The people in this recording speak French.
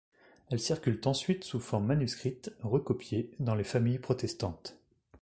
Elles circulent ensuite sous forme manuscrite, recopiées, dans les familles protestantes.